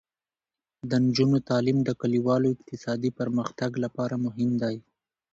د نجونو تعلیم د کلیوالو اقتصادي پرمختګ لپاره مهم دی.